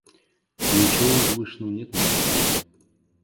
И ничего возвышенного нет в моей голове.